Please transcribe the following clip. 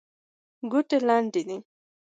ګوتې لنډې دي.